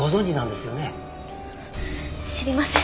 知りません。